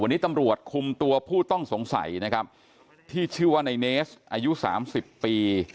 วันนี้ตำรวจคุมตัวผู้ต้องสงสัยนะครับที่ชื่อว่าในเนสอายุสามสิบปี